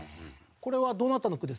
これはどなたの句ですか？